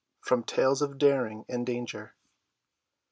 * *FROM "TALES OF DARING AND DANGER."